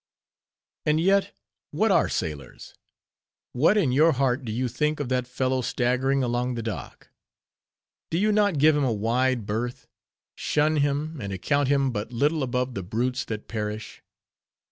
And yet, what are sailors? What in your heart do you think of that fellow staggering along the dock? Do you not give him a wide berth, shun him, and account him but little above the brutes that perish?